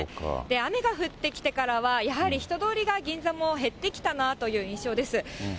雨が降ってきてからは、やはり人通りが銀座も減ってきたなという印象です。